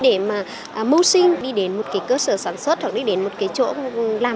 để mà mưu sinh đi đến một cơ sở sản xuất hoặc đi đến một chỗ làm